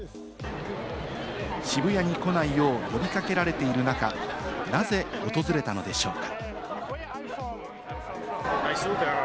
渋谷に来ないよう呼び掛けられている中、なぜ訪れたのでしょうか？